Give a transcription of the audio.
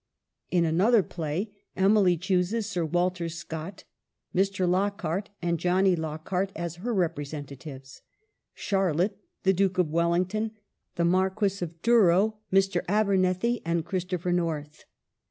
In another play Emily chooses Sir Walter Scott, Mr. Lockhart, and Johnny Lockhart as her representatives ; Charlotte, the Duke of Wel lington, the Marquis of Douro, Mr. Abernethy, and Christopher North.